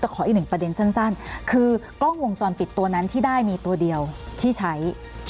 แต่ขออีกหนึ่งประเด็นสั้นคือกล้องวงจรปิดตัวนั้นที่ได้มีตัวเดียวที่ใช้